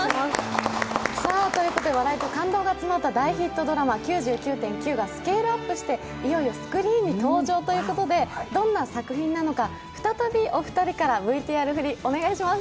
笑いと感動が詰まった大ヒットドラマ、「９９．９」がスケールアップしていよいよスクリーンに登場ということで、どんな作品なのか、再びお二人からＶＴＲ振り、お願いします。